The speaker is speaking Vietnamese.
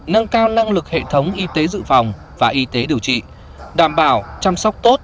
nâng cao năng lực hệ thống y tế dự phòng và y tế điều trị đảm bảo chăm sóc tốt